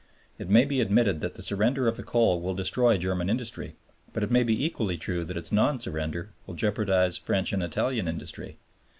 It may be admitted that the surrender of the coal will destroy German industry, but it may be equally true that its non surrender will jeopardize French and Italian industry.